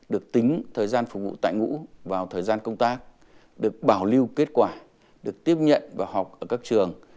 được tính thời gian phục vụ tại ngũ vào thời gian công tác được bảo lưu kết quả được tiếp nhận và học ở các trường